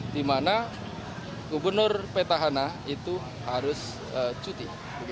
di mana gubernur petahana itu harus cuti